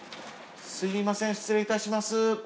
すいません失礼いたします。